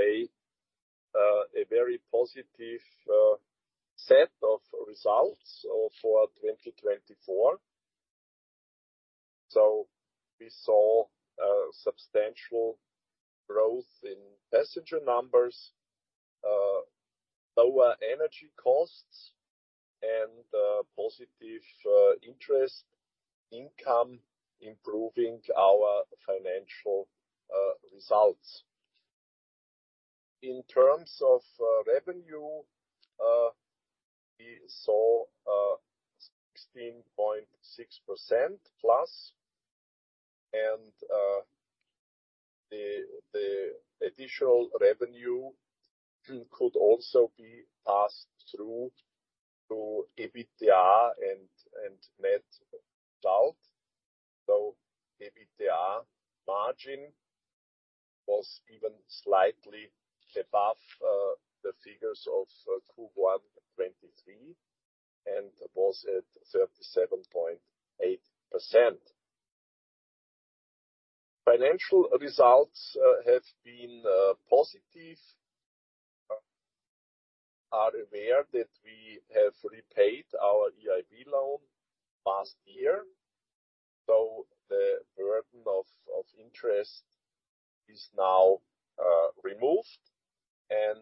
Show today a very positive set of results for 2024. So we saw substantial growth in passenger numbers, lower energy costs, and positive interest income improving our financial results. In terms of revenue, we saw 16.6% plus, and the additional revenue could also be passed through to EBITDA and net result, so EBITDA margin was even slightly above the figures of Q1 2023 and was at 37.8%. Financial results have been positive. We are aware that we have repaid our EIB loan last year, so the burden of interest is now removed, and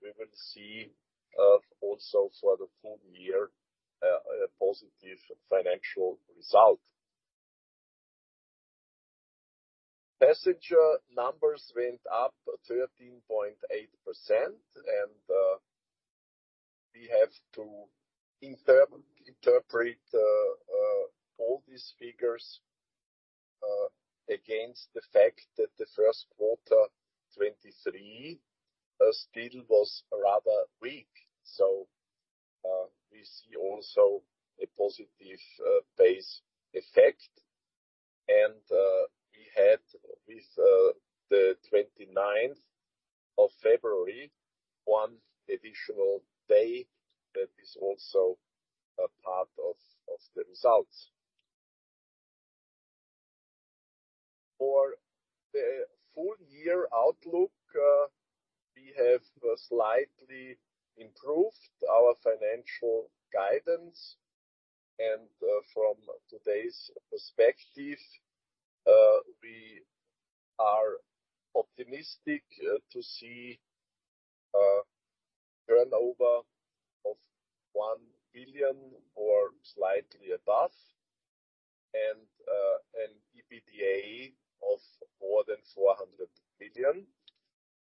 we will see also for the full year a positive financial result. Passenger numbers went up 13.8%, and we have to interpret all these figures against the fact that the first quarter 2023 still was rather weak, so we see also a positive base effect, and we had with the 29th of February one additional day that is also a part of the results. For the full year outlook, we have slightly improved our financial guidance, and from today's perspective, we are optimistic to see turnover of 1 billion or slightly above, and an EBITDA of more than 400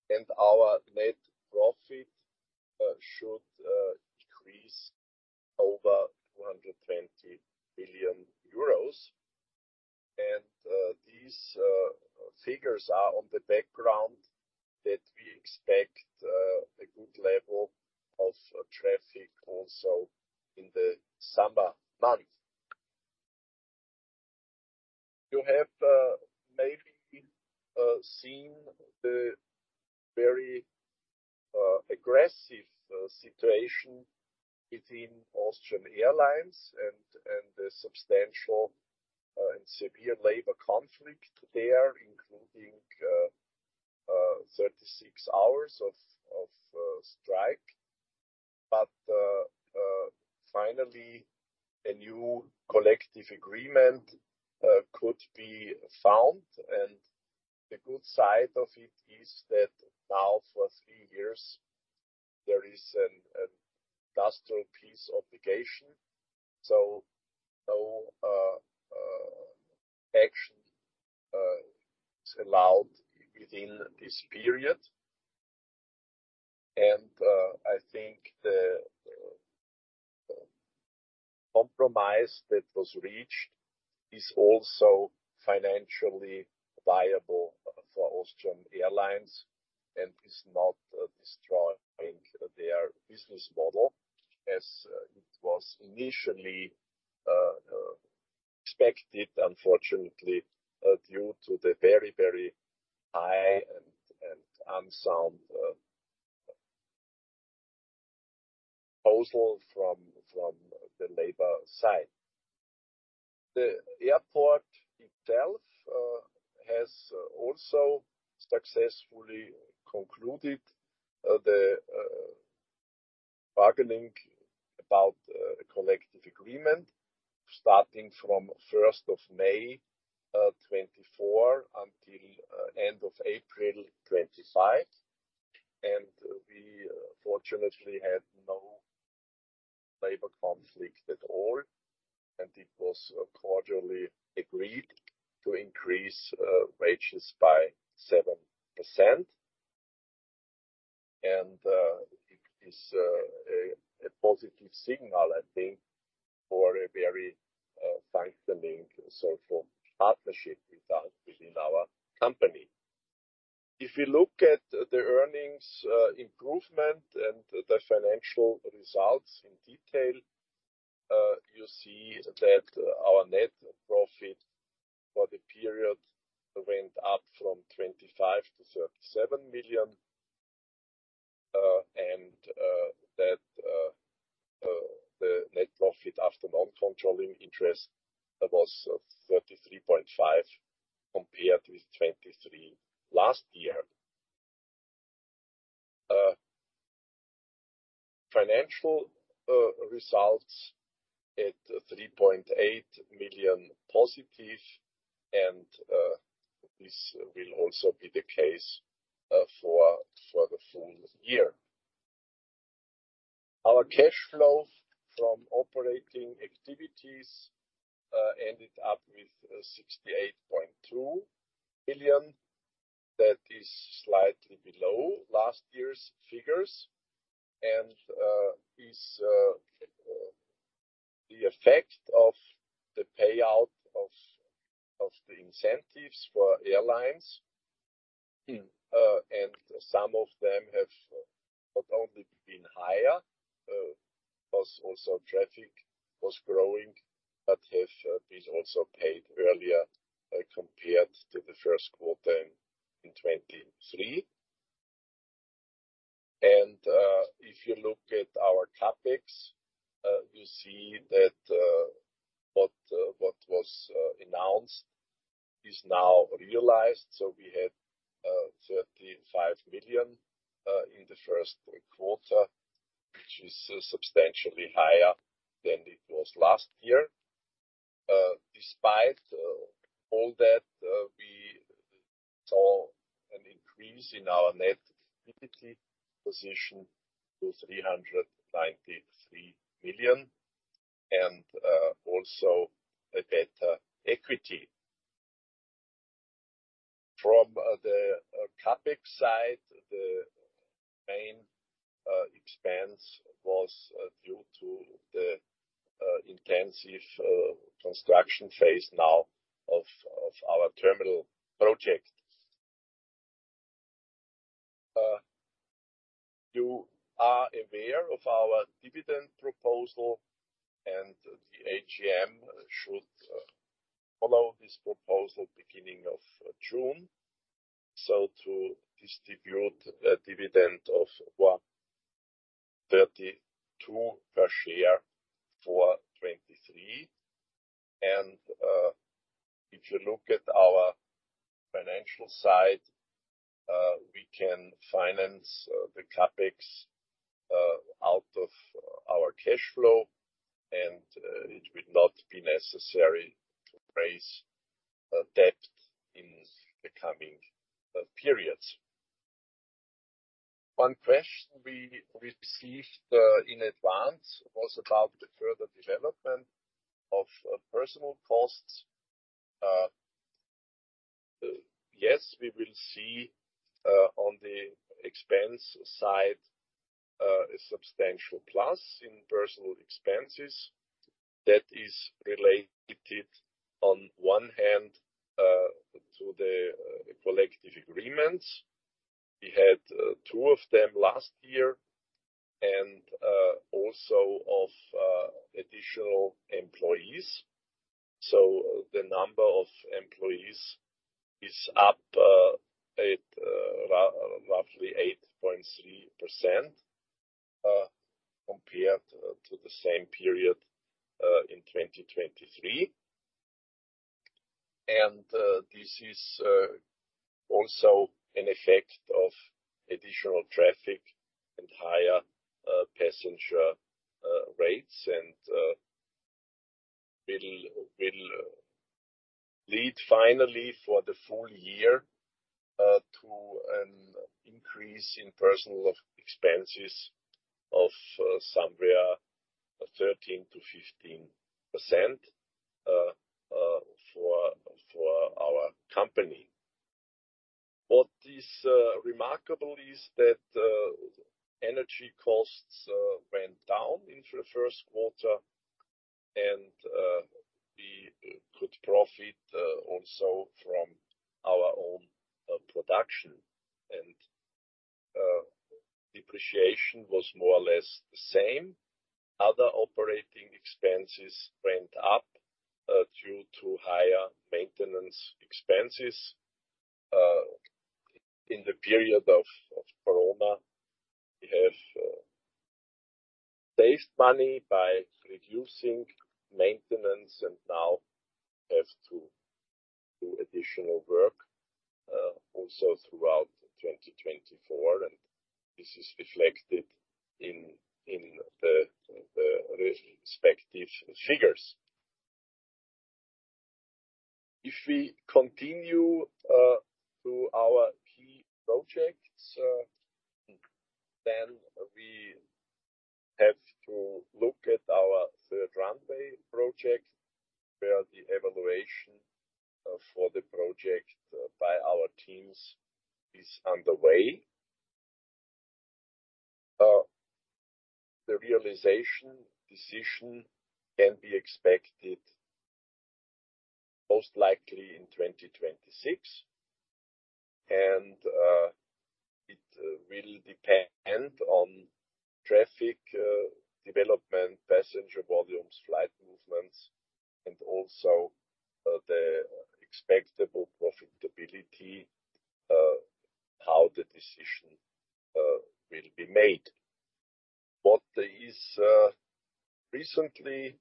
million, and our net profit should increase over 220 million euros, and these figures are on the background that we expect a good level of traffic also in the summer month. You have maybe seen the very aggressive situation within Austrian Airlines and the substantial and severe labor conflict there, including 36 hours of strike, but finally a new collective agreement could be found, and the good side of it is that now for three years there is an industrial peace obligation, so no action is allowed within this period, and I think the compromise that was reached is also financially viable for Austrian Airlines and is not destroying their business model as it was initially expected, unfortunately, due to the very very high and unsound proposal from the labor side. The airport itself has also successfully concluded the bargaining about a collective agreement starting from 1st of May 2024 until end of April 2025, and we fortunately had no labor conflict at all, and it was quarterly agreed to increase wages by 7%, and it is a positive signal, I think, for a very functioning social partnership with us within our company. If you look at the earnings improvement and the financial results in detail, you see that our net profit for the period went up from 25 million to 37 million, and that the net profit after non-controlling interest was 33.5 million compared with 23 million last year. Financial results at 3.8 million positive, and this will also be the case for the full year. Our cash flow from operating activities ended up with 68.2 million. That is slightly below last year's figures and is the effect of the payout of the incentives for airlines, and some of them have not only been higher, but also traffic was growing but have been also paid earlier, compared to the first quarter in 2023. If you look at our CapEx, you see that what was announced is now realized, so we had 35 million in the first quarter, which is substantially higher than it was last year. Despite all that, we saw an increase in our net equity position to 393 million and also a better equity. From the CapEx side, the main expense was due to the intensive construction phase now of our terminal project. You are aware of our dividend proposal, and the AGM should follow this proposal beginning of June so to distribute dividend of 32 per share for 2023. If you look at our financial side, we can finance the CapEx out of our cash flow, and it would not be necessary to raise debt in the coming periods. One question we received in advance was about the further development of personnel costs. Yes, we will see on the expense side a substantial plus in personnel expenses. That is related on one hand to the collective agreements. We had two of them last year and also to additional employees, so the number of employees is up at roughly 8.3%, compared to the same period in 2023. This is also an effect of additional traffic and higher passenger rates and will lead finally for the full year to an increase in personnel expenses of somewhere 13%-15% for our company. What is remarkable is that energy costs went down in the first quarter and we could profit also from our own production, and depreciation was more or less the same. Other operating expenses went up due to higher maintenance expenses. In the period of Corona, we have saved money by reducing maintenance and now have to do additional work also throughout 2024, and this is reflected in the respective figures. If we continue to our key projects, then we have to look at our Third Runway project where the evaluation for the project by our Teams is underway. The realization decision can be expected most likely in 2026, and it will depend on traffic development, passenger volumes, flight movements, and also the expectable profitability, how the decision will be made. What is recently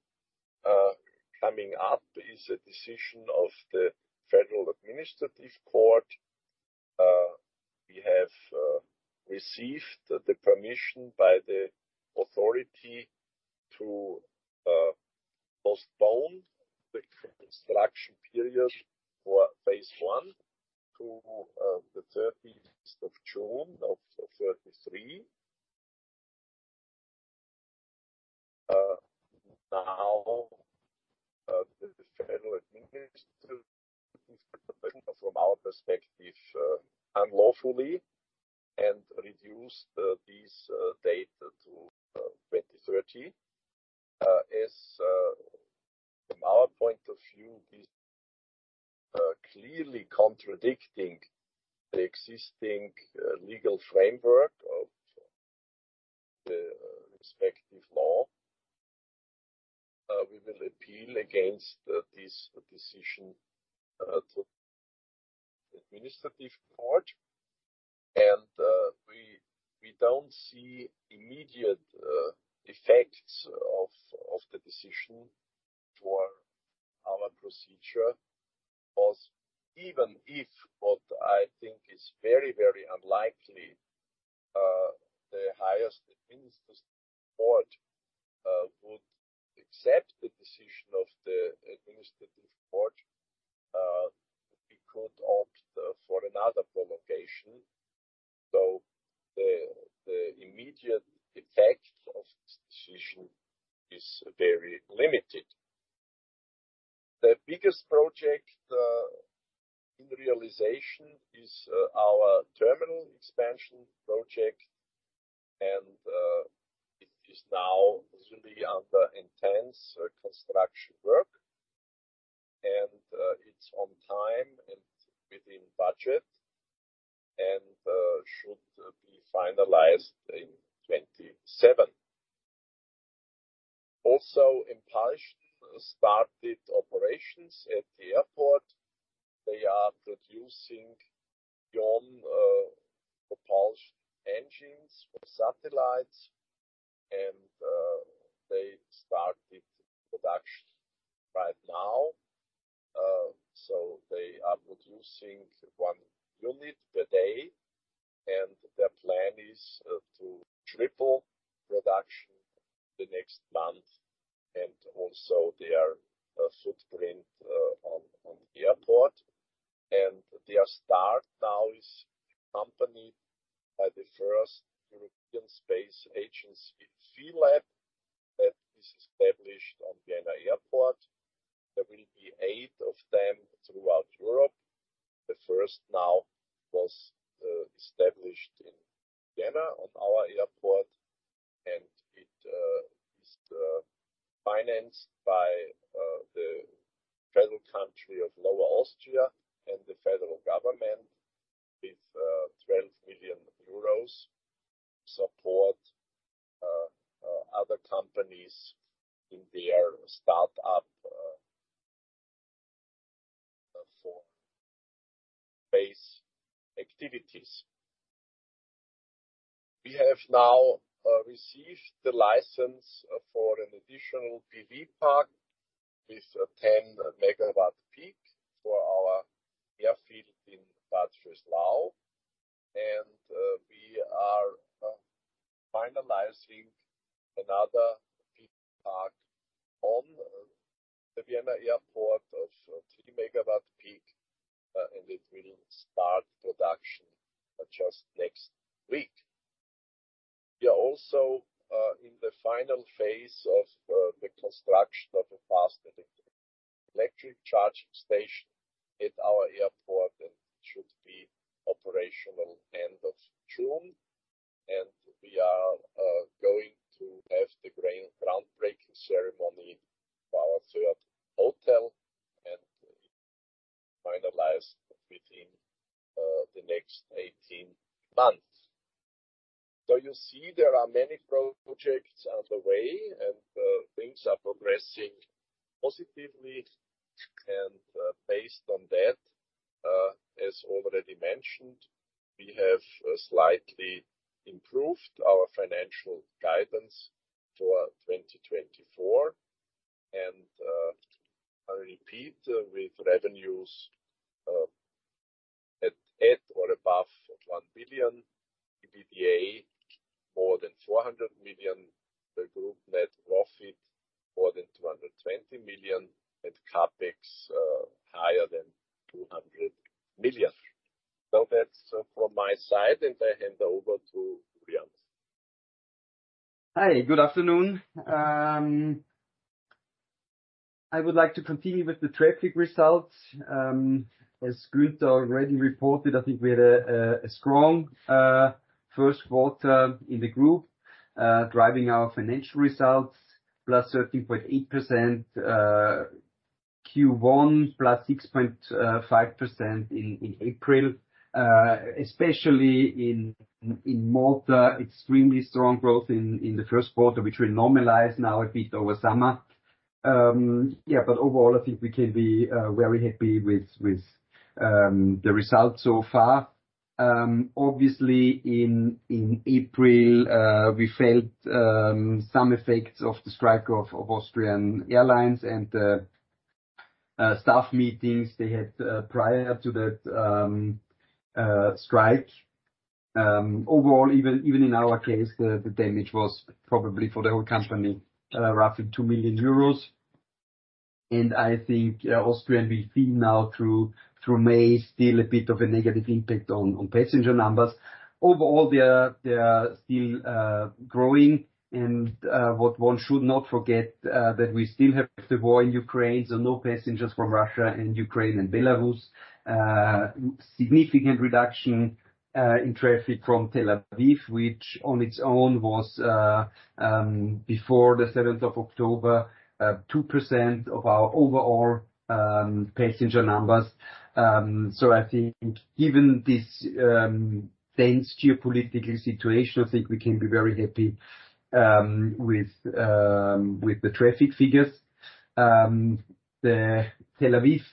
coming up is a decision of the Federal Administrative Court. We have received the permission by the authority to postpone the construction period for Phase I to the 30th of June of 2033. Now, the Federal Administrative Court, from our perspective, unlawfully reduced these dates to 2030. As, from our point of view, this is clearly contradicting the existing legal framework of the respective law. We will appeal against this decision to the Administrative Court, and we don't see immediate effects of the decision for our procedure because even if what I think is very, very unlikely, the highest administrative court would accept the decision of the Administrative Court, we could opt for another prolongation, so the immediate effect of this decision is very limited. The biggest project in realization is our Terminal Expansion project, and it is now really under intense construction work, and it's on time and within budget and should be finalized in 2027. Also, Enpulsion started operations at the airport. They are producing ion propulsion engines for satellites, and they started production right now, so they are producing one unit per day, and their plan is to triple production the next month and also their footprint on the airport. And their start now is accompanied by the first European Space Agency Phi-Lab that is established on Vienna Airport. There will be eight of them throughout Europe. The first now was established in Vienna on our airport, and it is financed by the federal country of Lower Austria and the federal government with EUR 12 million support other companies in their startup for space activities. We have now received the license for an additional PV park with a 10 MW peak for our airfield in Bad Vöslau, and we are finalizing another PV park on the Vienna Airport of 3 MW peak, and it will start production just next week. We are also in the final phase of the construction of a fast electric charging station at our airport and should be operational end of June, and we are going to have the groundbreaking ceremony for our third hotel and finalize within the next 18 months. So you see there are many projects underway and things are progressing positively, and based on that, as already mentioned, we have slightly improved our financial guidance for 2024 and I repeat, with revenues at or above 1 billion, EBITDA more than 400 million, the group net profit more than 220 million, and CapEx higher than 200 million. So that's from my side, and I hand over to Julian. Hi, good afternoon. I would like to continue with the traffic results. As Günther already reported, I think we had a strong first quarter in the group, driving our financial results plus 13.8%, Q1 plus 6.5% in April, especially in Malta, extremely strong growth in the first quarter, which will normalize now a bit over summer. Yeah, but overall I think we can be very happy with the results so far. Obviously in April, we felt some effects of the strike of Austrian Airlines and the staff meetings they had prior to that strike. Overall, even in our case, the damage was probably for the whole company, roughly 2 million euros. I think Austrian we see now through, through May still a bit of a negative impact on, on passenger numbers. Overall, they are, they are still, growing, and, what one should not forget, that we still have the war in Ukraine, so no passengers from Russia and Ukraine and Belarus, significant reduction, in traffic from Tel Aviv, which on its own was, before the 7th of October, 2% of our overall, passenger numbers. So I think given this, dense geopolitical situation, I think we can be very happy, with, with the traffic figures. The Tel Aviv,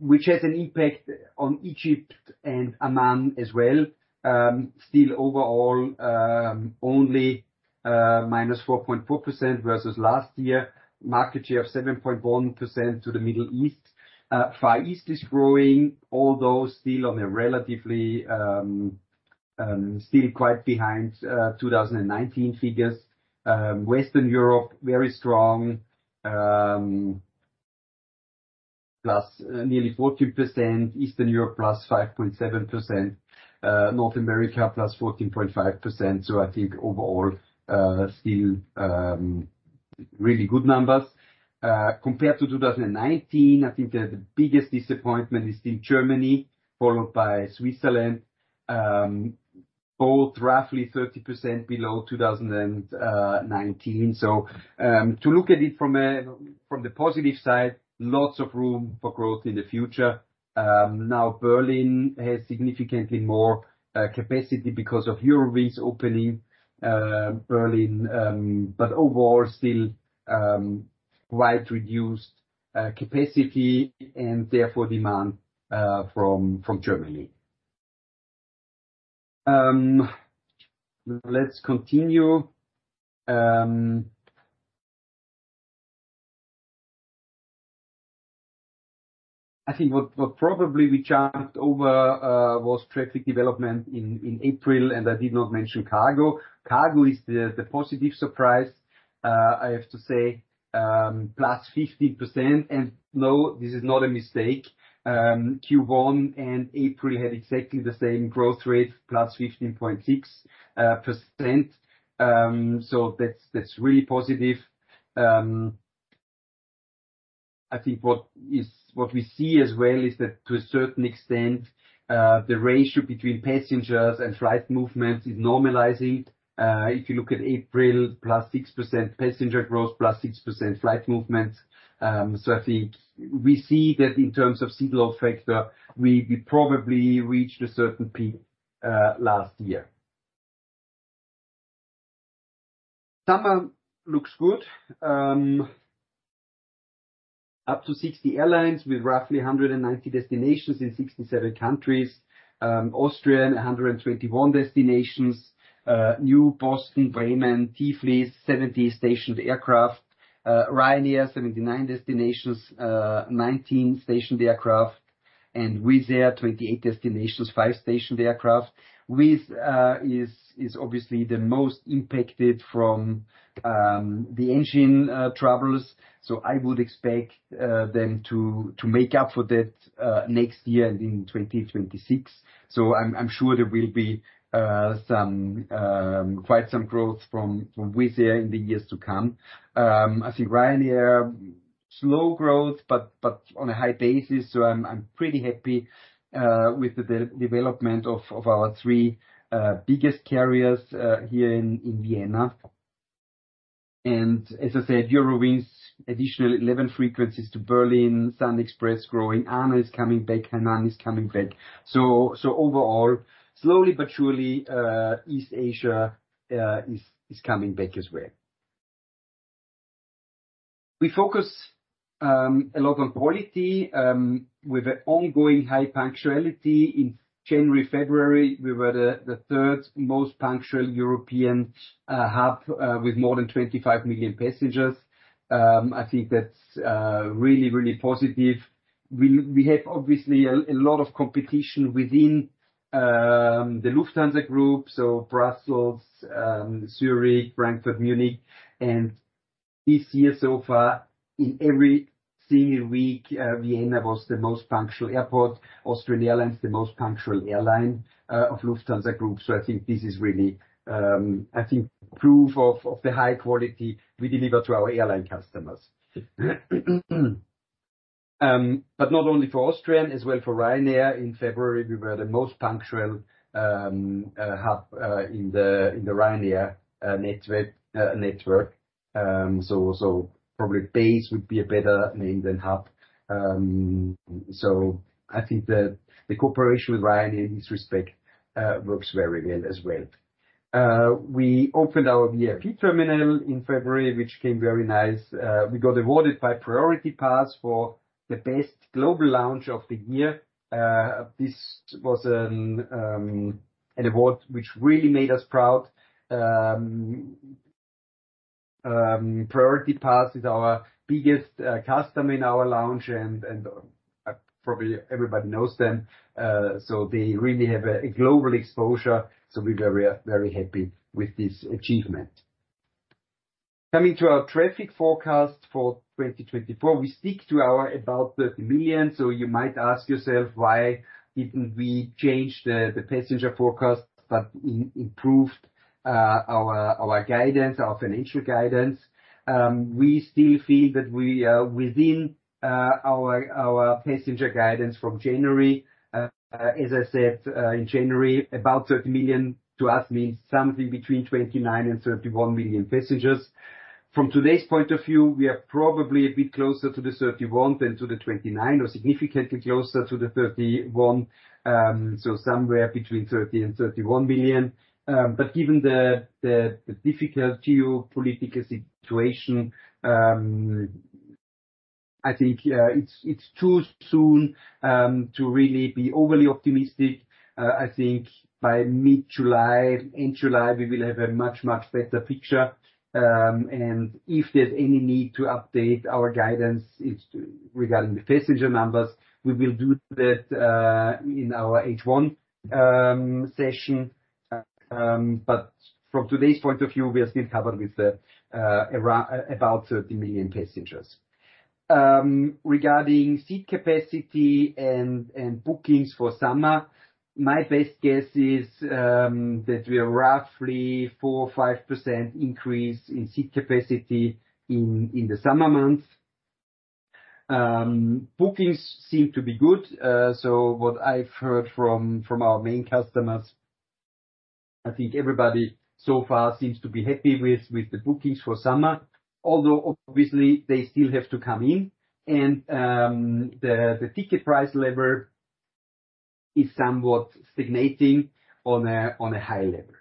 which has an impact on Egypt and Amman as well, still overall, only, minus 4.4% versus last year, market share of 7.1% to the Middle East. Far East is growing, although still on a relatively, still quite behind, 2019 figures. Western Europe, very strong, plus nearly 14%, Eastern Europe plus 5.7%, North America plus 14.5%, so I think overall, still, really good numbers. Compared to 2019, I think that the biggest disappointment is still Germany, followed by Switzerland, both roughly 30% below 2019. So, to look at it from the positive side, lots of room for growth in the future. Now Berlin has significantly more capacity because of Eurowings opening Berlin, but overall still quite reduced capacity and therefore demand from Germany. Let's continue. I think what probably we jumped over was traffic development in April, and I did not mention cargo. Cargo is the positive surprise, I have to say, plus 15%, and no, this is not a mistake. Q1 and April had exactly the same growth rate, plus 15.6%, so that's really positive. I think what we see as well is that to a certain extent, the ratio between passengers and flight movements is normalizing. If you look at April, +6% passenger growth, +6% flight movements, so I think we see that in terms of seat load factor, we probably reached a certain peak last year. Summer looks good. Up to 60 airlines with roughly 190 destinations in 67 countries. Austrian, 121 destinations. New Boston, Bremen, Tiflis, 70 stationed aircraft. Ryanair, 79 destinations, 19 stationed aircraft. And Wizz Air, 28 destinations, five stationed aircraft. Wizz is obviously the most impacted from the engine troubles, so I would expect them to make up for that next year and in 2026. So I'm sure there will be quite some growth from Wizz Air in the years to come. I think Ryanair, slow growth, but on a high basis, so I'm pretty happy with the development of our three biggest carriers here in Vienna. And as I said, Eurowings, additional 11 frequencies to Berlin, SunExpress growing, ANA is coming back, Hainan is coming back. So overall, slowly but surely, East Asia is coming back as well. We focus a lot on quality, with an ongoing high punctuality. In January, February, we were the third most punctual European hub, with more than 25 million passengers. I think that's really positive. We have obviously a lot of competition within the Lufthansa Group, so Brussels, Zurich, Frankfurt, Munich, and this year so far, in every single week, Vienna was the most punctual airport, Austrian Airlines the most punctual airline of Lufthansa Group, so I think this is really proof of the high quality we deliver to our airline customers. But not only for Austrian, as well for Ryanair, in February we were the most punctual hub in the Ryanair network. So probably base would be a better name than hub. So I think that the cooperation with Ryanair in this respect works very well as well. We opened our VIP terminal in February, which came very nice. We got awarded by Priority Pass for the best global lounge of the year. This was an award which really made us proud. Priority Pass is our biggest customer in our lounge and probably everybody knows them, so they really have a global exposure, so we're very, very happy with this achievement. Coming to our traffic forecast for 2024, we stick to our about 30 million, so you might ask yourself why didn't we change the passenger forecast but improved our guidance, our financial guidance. We still feel that we, within our passenger guidance from January, as I said, in January, about 30 million to us means something between 29 and 31 million passengers. From today's point of view, we are probably a bit closer to the 31 than to the 29 or significantly closer to the 31, so somewhere between 30 and 31 million. But given the difficult geopolitical situation, I think it's too soon to really be overly optimistic. I think by mid-July, end July, we will have a much, much better picture. And if there's any need to update our guidance regarding the passenger numbers, we will do that in our H1 session. But from today's point of view, we are still covered with the around about 30 million passengers. Regarding seat capacity and bookings for summer, my best guess is that we are roughly 4%-5% increase in seat capacity in the summer months. Bookings seem to be good, so what I've heard from our main customers, I think everybody so far seems to be happy with the bookings for summer, although obviously they still have to come in and the ticket price level is somewhat stagnating on a high level.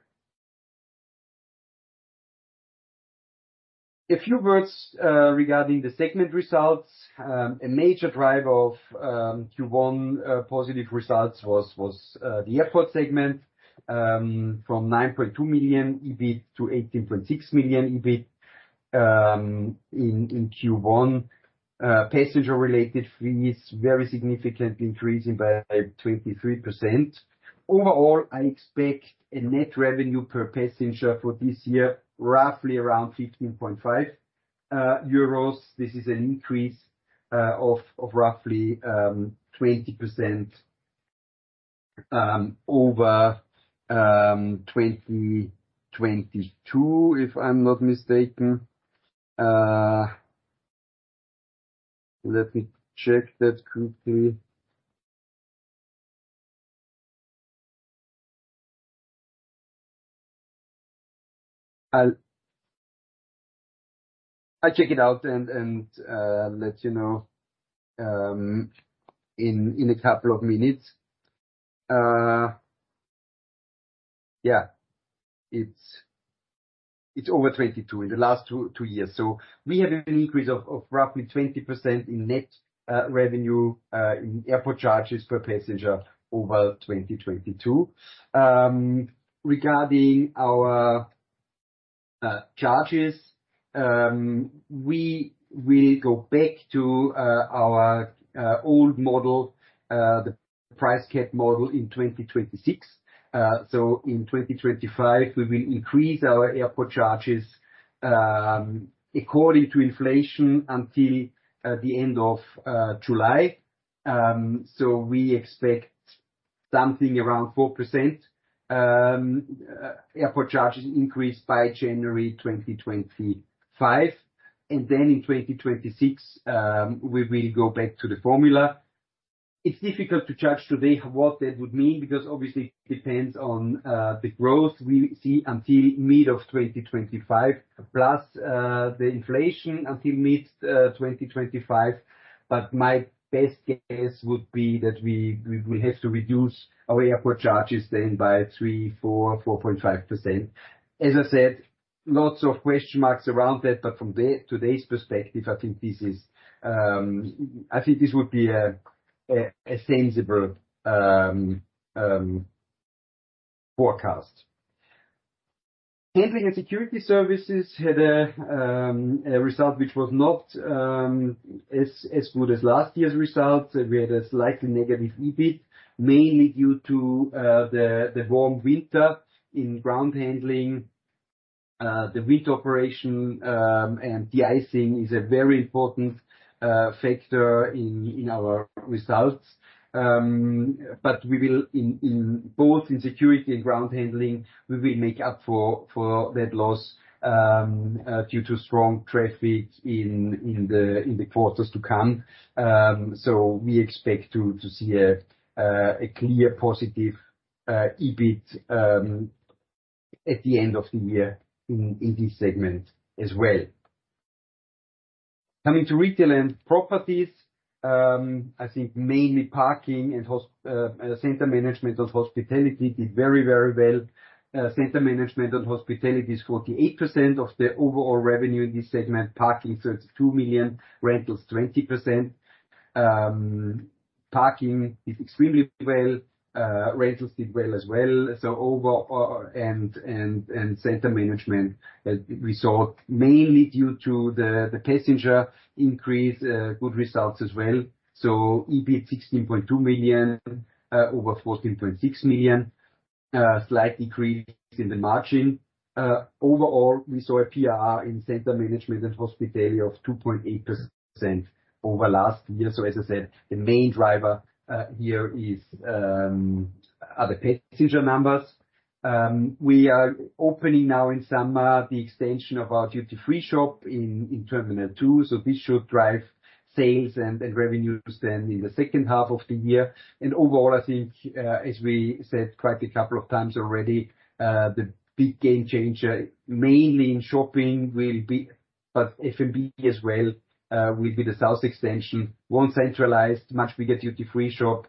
A few words regarding the segment results. A major driver of Q1 positive results was the airport segment, from 9.2 million EBIT to 18.6 million EBIT in Q1. Passenger-related fees very significantly increasing by 23%. Overall, I expect a net revenue per passenger for this year roughly around 15.5 euros. This is an increase of roughly 20% over 2022 if I'm not mistaken. Let me check that quickly. I'll check it out and let you know in a couple of minutes. Yeah, it's over 22 in the last two years. So we have an increase of roughly 20% in net revenue in airport charges per passenger over 2022. Regarding our charges, we will go back to our old model, the price cap model in 2026. So in 2025, we will increase our airport charges according to inflation until the end of July. So we expect something around 4%, airport charges increase by January 2025. And then in 2026, we will go back to the formula. It's difficult to judge today what that would mean because obviously it depends on the growth we see until mid of 2025 plus the inflation until mid 2025, but my best guess would be that we will have to reduce our airport charges then by 3%-4.5%. As I said, lots of question marks around that, but from today's perspective, I think this is. I think this would be a sensible forecast. Handling and security services had a result which was not as good as last year's results. We had a slightly negative EBIT mainly due to the warm winter in ground handling. The winter operation and de-icing is a very important factor in our results but we will, in both security and ground handling, we will make up for that loss, due to strong traffic in the quarters to come. So we expect to see a clear positive EBIT at the end of the year in this segment as well. Coming to retail and properties, I think mainly parking and center management and hospitality did very well. Center management and hospitality is 48% of the overall revenue in this segment, parking 32 million, rentals 20%. Parking did extremely well, rentals did well as well. So overall, center management, we saw mainly due to the passenger increase, good results as well. So EBIT 16.2 million, over 14.6 million, slight decrease in the margin. Overall, we saw a PPR in center management and hospitality of 2.8% over last year. So as I said, the main driver here is the passenger numbers. We are opening now in summer the extension of our duty-free shop in Terminal two, so this should drive sales and revenues then in the second half of the year. Overall, I think, as we said quite a couple of times already, the big game changer mainly in shopping will be, but F&B as well, the South Extension, more centralized, much bigger duty-free shop,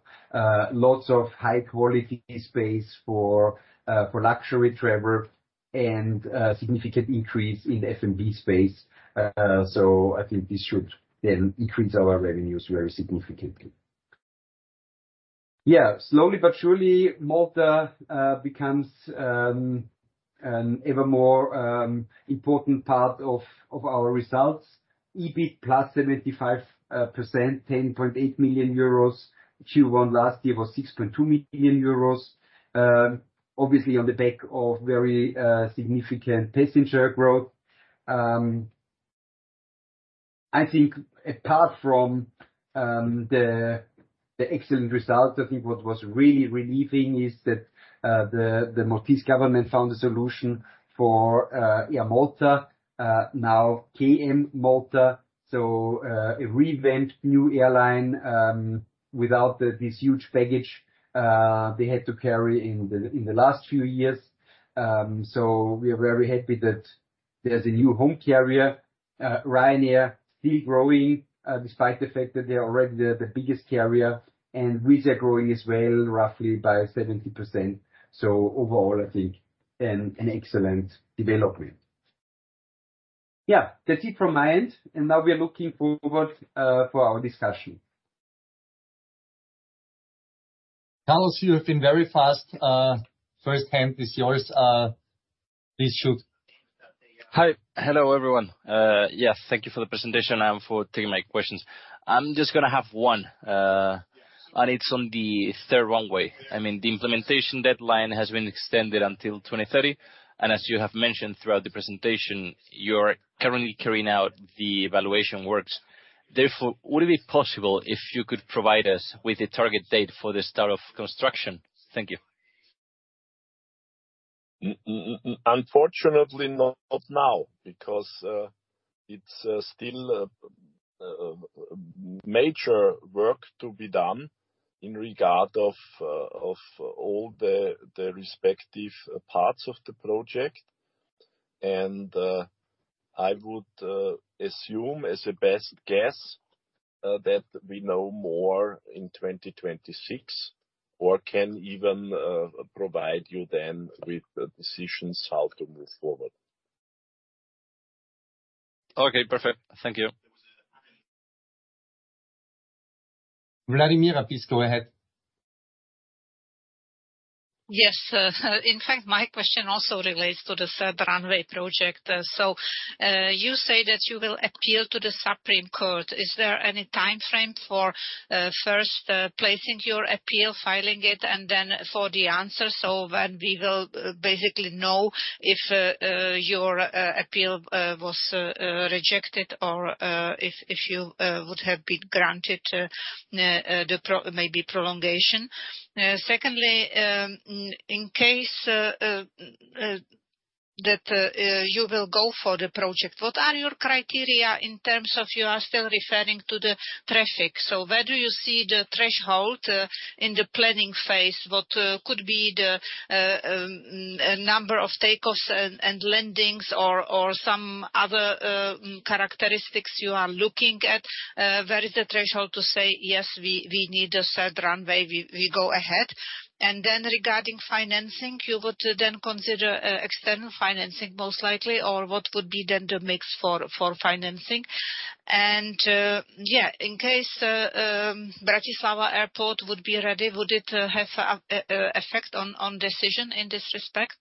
lots of high-quality space for luxury travel and significant increase in the F&B space. So I think this should then increase our revenues very significantly. Yeah, slowly but surely, Malta becomes an ever more important part of our results. EBIT +75%, 10.8 million euros. Q1 last year was 6.2 million euros. Obviously on the back of very significant passenger growth. I think apart from the excellent results, I think what was really relieving is that the Maltese government found a solution for Air Malta, now KM Malta, so a revamped new airline without this huge baggage they had to carry in the last few years. So we are very happy that there's a new home carrier, Ryanair still growing, despite the fact that they're already the biggest carrier, and Wizz Air growing as well roughly by 70%. So overall, I think an excellent development. Yeah, that's it from my end, and now we are looking forward for our discussion. Carlos, you have been very fast, firsthand. It's yours, please shoot. Hi, hello everyone. Yes, thank you for the presentation and for taking my questions. I'm just going to have one, and it's on the third runway. I mean, the implementation deadline has been extended until 2030, and as you have mentioned throughout the presentation, you are currently carrying out the evaluation works. Therefore, would it be possible if you could provide us with a target date for the start of construction? Thank you. Unfortunately, not now because it's still major work to be done in regard of all the respective parts of the project. And I would assume as a best guess that we know more in 2026 or can even provide you then with decisions how to move forward. Okay, perfect. Thank you. Vladimíra please go ahead. Yes, in fact, my question also relates to the Third Runway project. So, you say that you will appeal to the Supreme Court. Is there any time frame for first placing your appeal, filing it, and then for the answer? So then we will basically know if your appeal was rejected or if you would have been granted the maybe prolongation. Secondly, in case that you will go for the project, what are your criteria in terms of you are still referring to the traffic? So where do you see the threshold in the planning phase? What could be the number of takeoffs and landings or some other characteristics you are looking at? Where is the threshold to say, "Yes, we need a third runway. We go ahead"? And then regarding financing, you would then consider external financing most likely, or what would be then the mix for financing? And yeah, in case Bratislava Airport would be ready, would it have an effect on decision in this respect?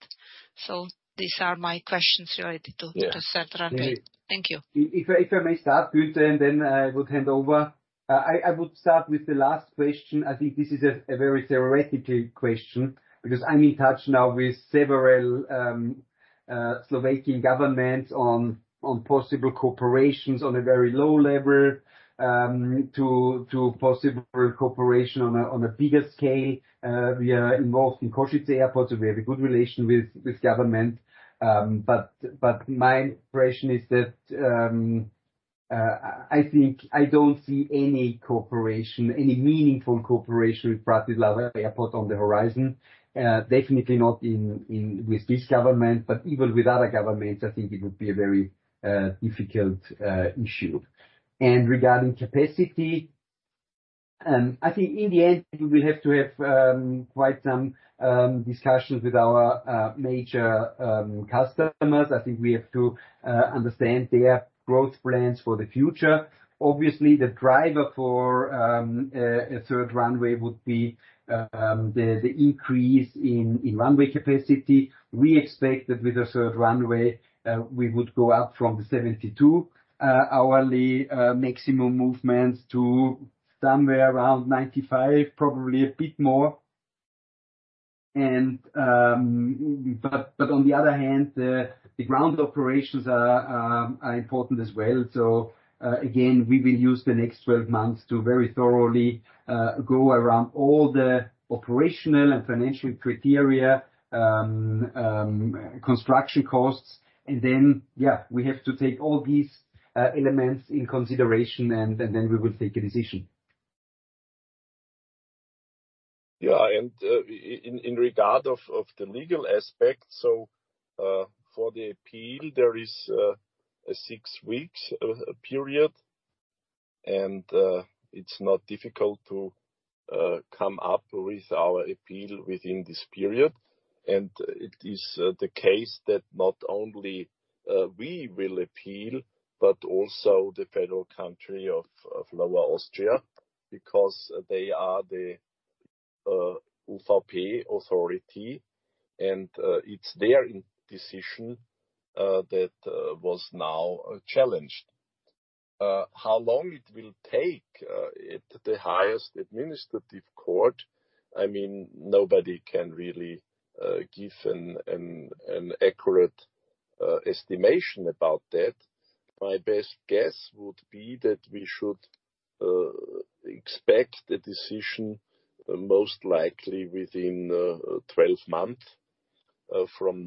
So these are my questions related to the Third Runway. Thank you. If I may start, Günther, and then I would hand over. I would start with the last question. I think this is a very theoretical question because I'm in touch now with several Slovakian governments on possible cooperations on a very low level, to possible cooperation on a bigger scale. We are involved in Košice Airport, so we have a good relation with government. But my impression is that, I think I don't see any cooperation, any meaningful cooperation with Bratislava Airport on the horizon, definitely not in with this government, but even with other governments, I think it would be a very difficult issue. And regarding capacity, I think in the end we will have to have quite some discussions with our major customers. I think we have to understand their growth plans for the future. Obviously, the driver for a third runway would be the increase in runway capacity. We expect that with a third runway, we would go up from the 72 hourly maximum movements to somewhere around 95, probably a bit more. But on the other hand, the ground operations are important as well. So, again, we will use the next 12 months to very thoroughly go around all the operational and financial criteria, construction costs, and then we have to take all these elements in consideration and then we will take a decision. Yeah, and in regard to the legal aspect, so for the appeal, there is a six-week period, and it's not difficult to come up with our appeal within this period. It is the case that not only we will appeal, but also the federal country of Lower Austria because they are the UVP authority, and it's their decision that was now challenged. How long it will take at the highest administrative court, I mean, nobody can really give an accurate estimation about that. My best guess would be that we should expect a decision, most likely within 12 months from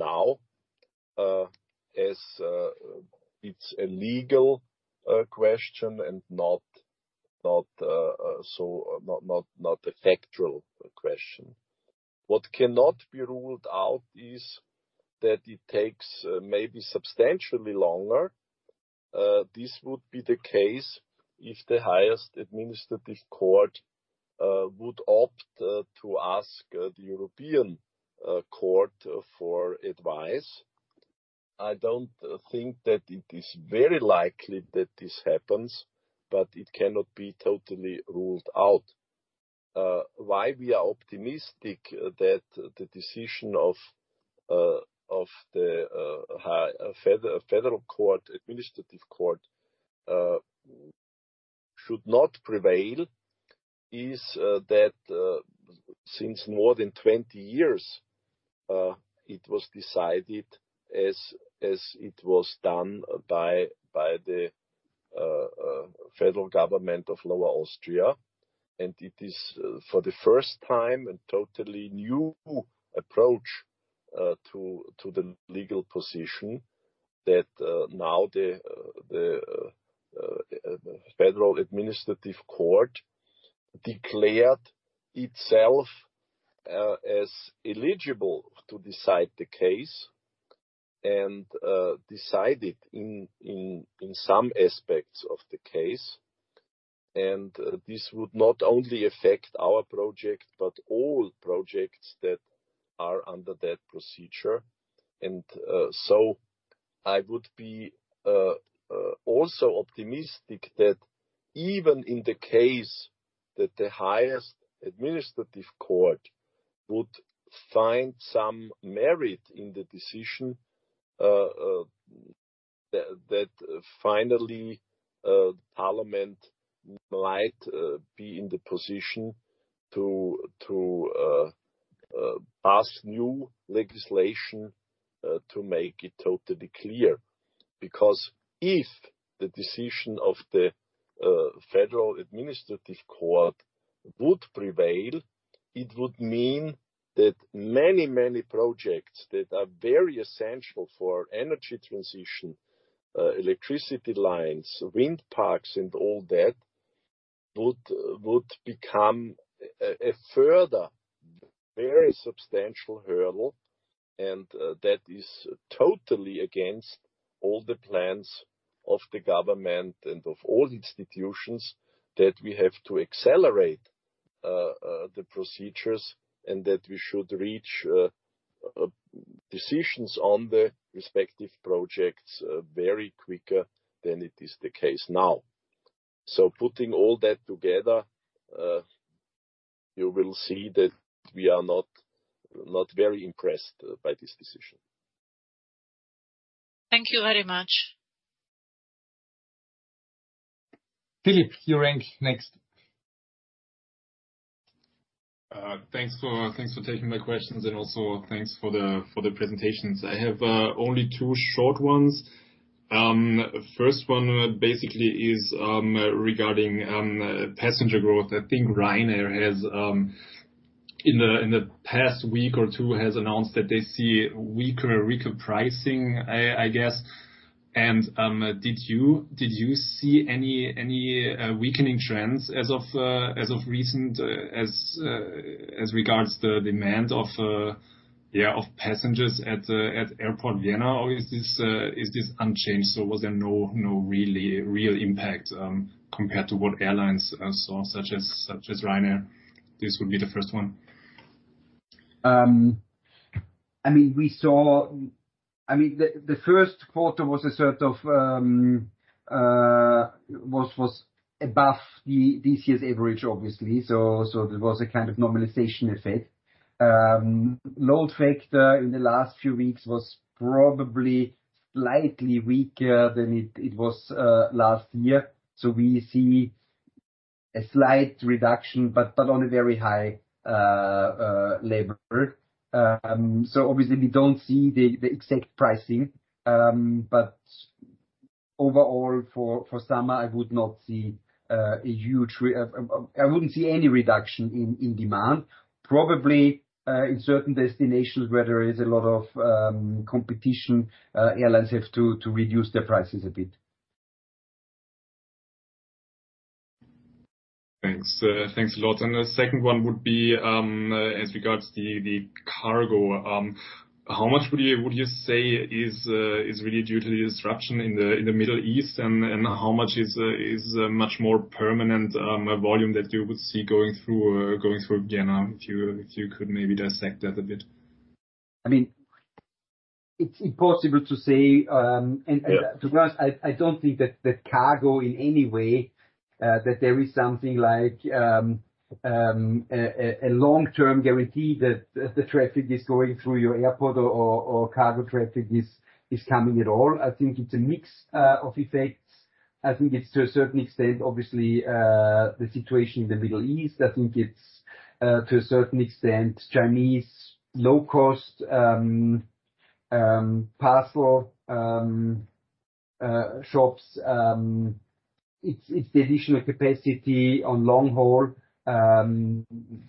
now, as it's a legal question and not a factual question. What cannot be ruled out is that it takes maybe substantially longer. This would be the case if the highest administrative court would opt to ask the European court for advice. I don't think that it is very likely that this happens, but it cannot be totally ruled out. why we are optimistic that the decision of the High Federal Court, Administrative Court, should not prevail is that since more than 20 years, it was decided as it was done by the Federal Government of Lower Austria. And it is for the first time and totally new approach to the legal position that now the Federal Administrative Court declared itself as eligible to decide the case and decided in some aspects of the case. And this would not only affect our project, but all projects that are under that procedure. And so I would be also optimistic that even in the case that the highest administrative court would find some merit in the decision, that finally Parliament might be in the position to pass new legislation to make it totally clear. Because if the decision of the Federal Administrative Court would prevail, it would mean that many, many projects that are very essential for energy transition, electricity lines, wind parks, and all that would become a further very substantial hurdle. And that is totally against all the plans of the government and of all institutions that we have to accelerate the procedures and that we should reach decisions on the respective projects very quicker than it is the case now. So putting all that together, you will see that we are not very impressed by this decision. Thank you very much. Philip, you're next. Thanks for taking my questions and also thanks for the presentations. I have only two short ones. First one basically is regarding passenger growth. I think Ryanair has, in the past week or two, has announced that they see weaker pricing, I guess. And, did you see any weakening trends as of recent, as regards the demand, yeah, of passengers at Airport Vienna? Or is this unchanged? So was there no real impact, compared to what airlines saw such as Ryanair? This would be the first one. I mean, we saw, I mean, the first quarter was a sort of above this year's average, obviously. So there was a kind of normalization effect. Load factor in the last few weeks was probably slightly weaker than it was last year. So we see a slight reduction, but on a very high level. So obviously we don't see the exact pricing. But overall for summer, I would not see a huge, I wouldn't see any reduction in demand. Probably, in certain destinations where there is a lot of competition, airlines have to reduce their prices a bit. Thanks. Thanks a lot. And the second one would be, as regards the cargo, how much would you say is really due to the disruption in the Middle East and how much is much more permanent, a volume that you would see going through Vienna if you could maybe dissect that a bit? I mean, it's possible to say, and to be honest, I don't think that cargo in any way, that there is something like a long-term guarantee that the traffic is going through your airport or cargo traffic is coming at all. I think it's a mix of effects. I think it's to a certain extent, obviously, the situation in the Middle East. I think it's to a certain extent Chinese low-cost parcel shops. It's the additional capacity on long haul.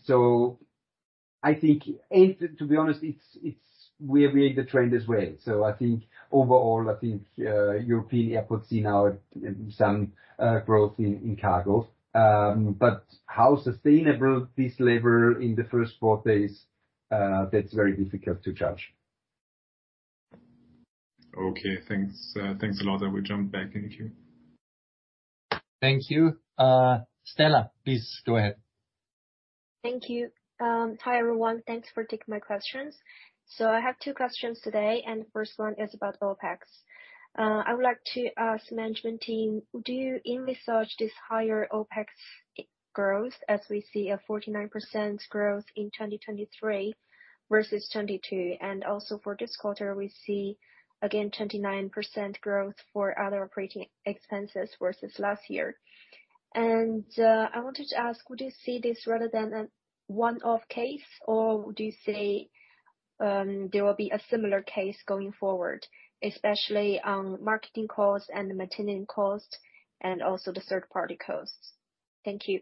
So I think, and to be honest, we're in the trend as well. So I think overall, European airports see now some growth in cargo. But how sustainable this level in the first four days, that's very difficult to judge. Okay. Thanks. Thanks a lot that we jumped back in the queue. Thank you. Stella, please go ahead. Thank you. Hi everyone. Thanks for taking my questions. So I have two questions today, and the first one is about OpEx. I would like to ask management team, do you in research this higher OpEx growth as we see a 49% growth in 2023 versus 2022? And also for this quarter, we see again 29% growth for other operating expenses versus last year. And I wanted to ask, would you see this rather than a one-off case, or would you say there will be a similar case going forward, especially on marketing costs and maintenance costs and also the third-party costs? Thank you.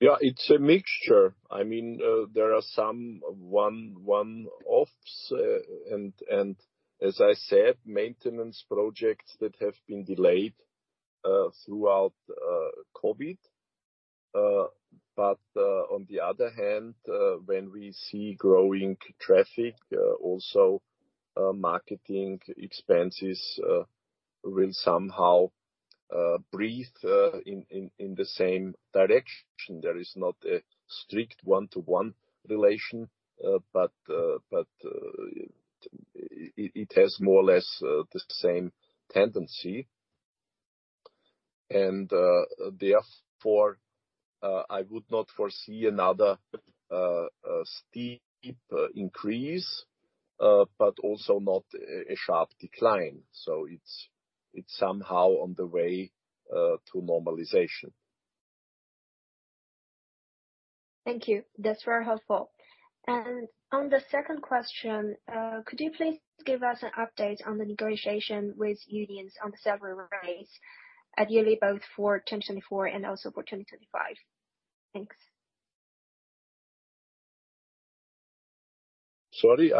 Yeah, it's a mixture. I mean, there are some one-offs, and as I said, maintenance projects that have been delayed throughout COVID. But on the other hand, when we see growing traffic, also marketing expenses will somehow breathe in the same direction. There is not a strict one-to-one relation, but it has more or less the same tendency. And therefore, I would not foresee another steep increase, but also not a sharp decline. So it's somehow on the way to normalization. Thank you. That's very helpful. And on the second question, could you please give us an update on the negotiation with unions on the salary rates annually both for 2024 and also for 2025? Thanks. Sorry,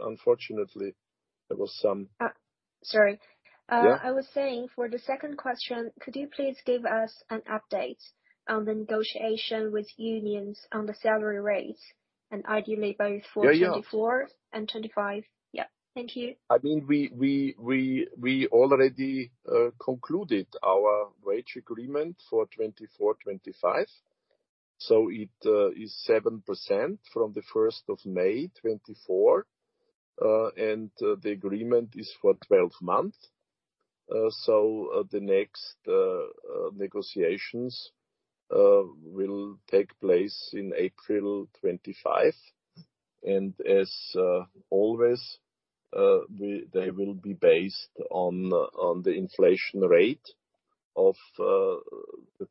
unfortunately there was some. Sorry. I was saying for the second question, could you please give us an update on the negotiation with unions on the salary rates and ideally both for 2024 and 2025? Yeah. Thank you. I mean, we already concluded our wage agreement for 2024-2025. So it is 7% from the 1st of May 2024, and the agreement is for 12 months. So the next negotiations will take place in April 2025. And as always, they will be based on the inflation rate of the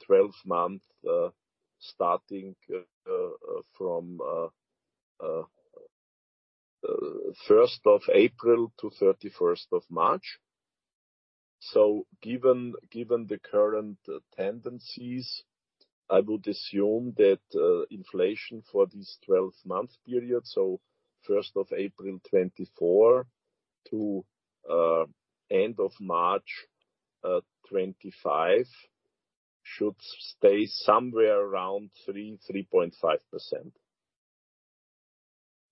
12-month starting from 1st of April to 31st of March. So given the current tendencies, I would assume that inflation for this 12-month period, so 1st of April 2024 to end of March 2025, should stay somewhere around 3%-3.5%.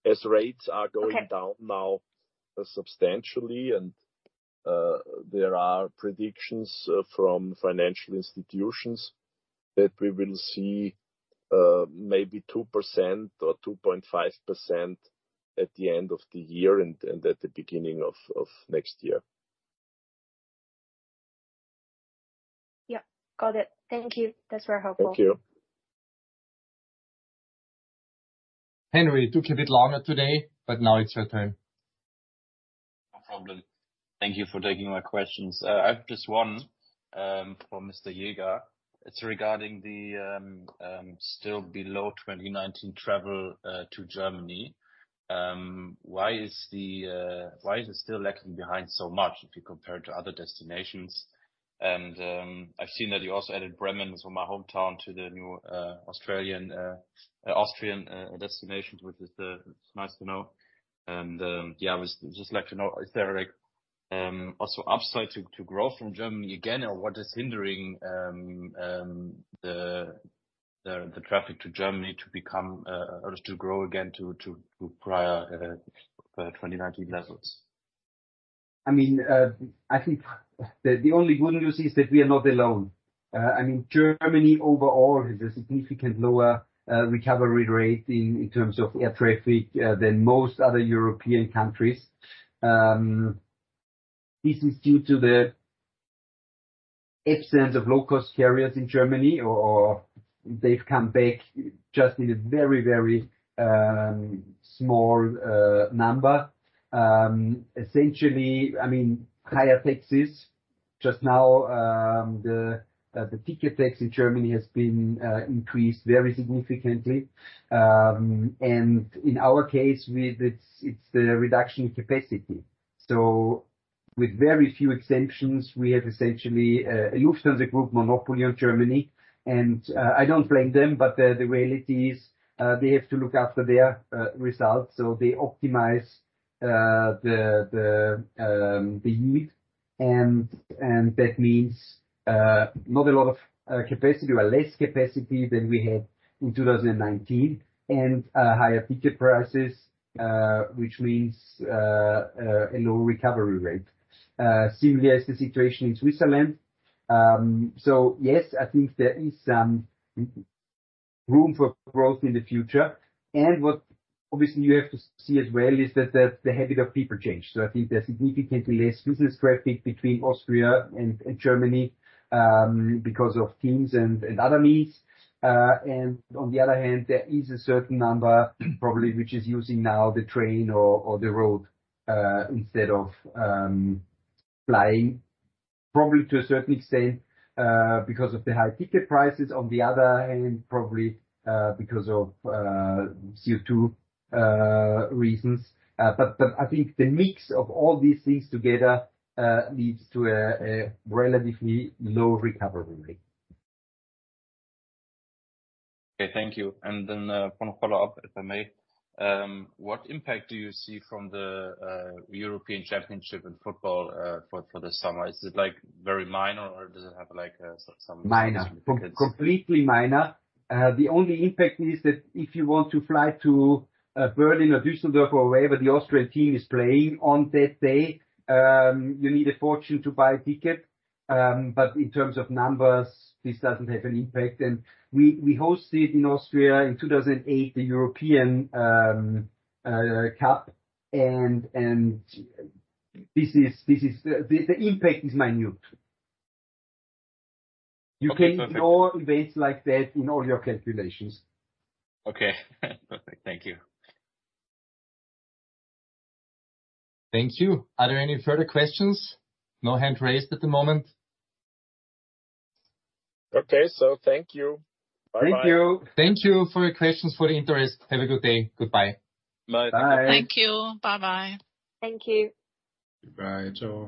As rates are going down now substantially and there are predictions from financial institutions that we will see maybe 2% or 2.5% at the end of the year and at the beginning of next year. Yep. Got it. Thank you. That's very helpful. Thank you. Henry, it took you a bit longer today, but now it's your turn. No problem. Thank you for taking my questions. I have just one, for Mr. Jäger. It's regarding the still below 2019 traffic to Germany. Why is it still lagging behind so much if you compare to other destinations? And, I've seen that you also added Bremen from my hometown to the new Austrian destinations, which is, it's nice to know. And, yeah, I was just like to know, is there like also upside to grow from Germany again, or what is hindering the traffic to Germany to become, or to grow again to prior 2019 levels? I mean, I think the only good news is that we are not alone. I mean, Germany overall has a significantly lower recovery rate in terms of air traffic than most other European countries. This is due to the absence of low-cost carriers in Germany, or they've come back just in a very, very small number. Essentially, I mean, higher taxes. Just now, the ticket tax in Germany has been increased very significantly. And in our case, with it, it's the reduction in capacity. So with very few exemptions, we have essentially a Lufthansa Group monopoly on Germany. And I don't blame them, but the reality is, they have to look after their results. So they optimize the yield. And that means not a lot of capacity or less capacity than we had in 2019 and higher ticket prices, which means a low recovery rate. Similarly, as the situation in Switzerland. So yes, I think there is some room for growth in the future. What obviously you have to see as well is that, that the habit of people change. So I think there's significantly less business traffic between Austria and, and Germany, because of Teams and, and other means. And on the other hand, there is a certain number probably which is using now the train or, or the road, instead of, flying, probably to a certain extent, because of the high ticket prices. On the other hand, probably, because of, CO2, reasons. But, but I think the mix of all these things together, leads to a, a relatively low recovery rate. Okay. Thank you. And then, one follow-up, if I may. What impact do you see from the, European Championship in football, for, for the summer? Is it like very minor, or does it have like, some, some? Minor. Completely minor. The only impact is that if you want to fly to Berlin or Düsseldorf or wherever the Austrian team is playing on that day, you need a fortune to buy a ticket. But in terms of numbers, this doesn't have an impact. And we hosted in Austria in 2008 the European Cup. And this is the impact is minute. You can ignore events like that in all your calculations. Okay. Perfect. Thank you. Thank you. Are there any further questions? No hand raised at the moment. Okay. So thank you. Bye-bye. Thank you. Thank you for your questions, for the interest. Have a good day. Goodbye. Bye. Bye. Thank you. Bye-bye. Thank you. Goodbye. Ciao.